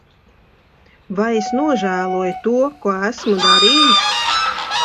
Vai es nožēloju to, ko esmu darījis?